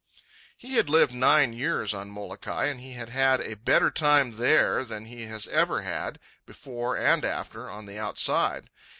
He had lived nine years on Molokai, and he had had a better time there than he has ever had, before and after, on the outside.